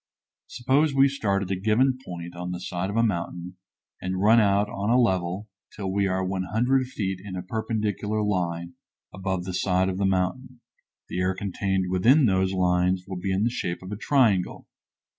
Suppose we start at a given point on the side of a mountain and run out on a level till we are 100 feet in a perpendicular line above the side of the mountain, the air contained within those lines will be in the shape of a triangle.